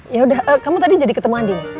yaudah kamu tadi jadi ketemu andin